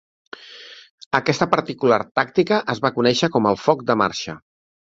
Aquesta particular tàctica es va conèixer com el foc de marxa.